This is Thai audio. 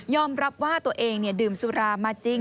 รับว่าตัวเองดื่มสุรามาจริง